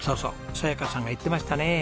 早矢加さんが言ってましたね。